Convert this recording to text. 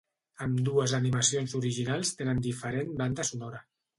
Ambdues animacions originals tenen diferent banda sonora.